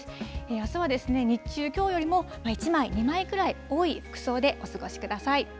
あすは日中、きょうよりも１枚、２枚くらい多い服装でお過ごしください。